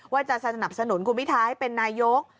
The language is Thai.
ว่าจะสนับสนุนคุณพิทาให้เป็นนายก